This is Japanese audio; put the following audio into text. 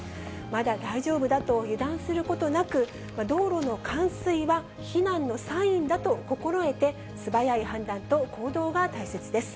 まだ大丈夫だと油断することなく、道路の冠水は避難のサインだと心得て、素早い判断と行動が大切です。